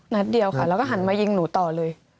นัดเดียวค่ะแล้วก็หันมายิงหนูต่อเลย